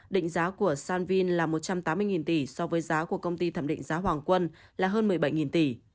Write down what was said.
định giá của sanvin là một trăm tám mươi tỷ so với giá của công ty thẩm định giá hoàng quân là hơn một mươi bảy tỷ